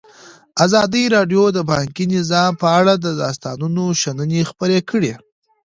ازادي راډیو د بانکي نظام په اړه د استادانو شننې خپرې کړي.